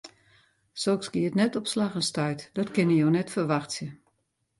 Soks giet net op slach en stuit, dat kinne jo net ferwachtsje.